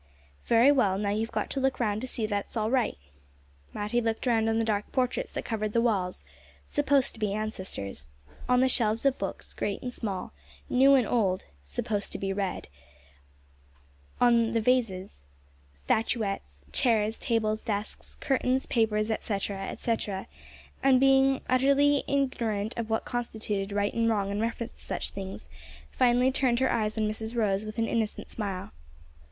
"Very well; now you've got to look round to see that all's right." Matty looked round on the dark portraits that covered the walls (supposed to be ancestors), on the shelves of books, great and small, new and old (supposed to be read); on the vases, statuettes, chairs, tables, desks, curtains, papers, etcetera, etcetera, and, being utterly ignorant of what constituted right and what wrong in reference to such things, finally turned her eyes on Mrs Rose with an innocent smile.